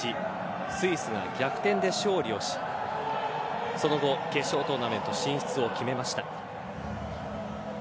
スイスが逆転で勝利をしその後、決勝トーナメント進出を決めました。